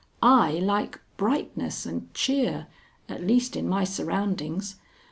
I like brightness and cheer, at least in my surroundings.